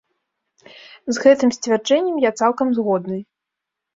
З гэтым сцвярджэннем я цалкам згодны.